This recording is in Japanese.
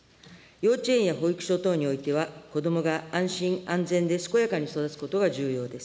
幼稚園や保育所等においては、子どもが安心安全で健やかに育つことが重要です。